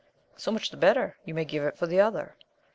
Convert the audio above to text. So much the better : you may give it for the other.